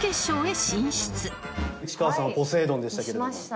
市川さんはポセイドンでしたけども。